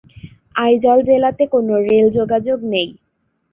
আইজল জেলাতে কোন রেল যোগাযোগ নেই।